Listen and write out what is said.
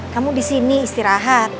kamu disini istirahat